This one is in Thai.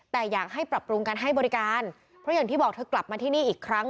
แต่อยากให้ปรับปรุงการให้บริการเพราะอย่างที่บอกเธอกลับมาที่นี่อีกครั้ง